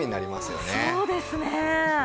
そうですね。